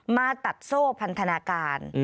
มาตัดโซ่พันธนาการ